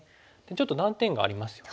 ちょっと断点がありますよね。